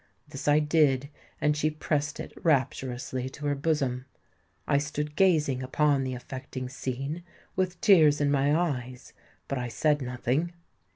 This I did; and she pressed it rapturously to her bosom. I stood gazing upon the affecting scene, with tears in my eyes; but I said nothing.